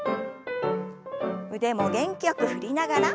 腕も元気よく振りながら。